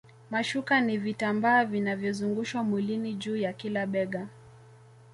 Mashuka ni vitambaa vinavyozungushwa mwilini juu ya kila bega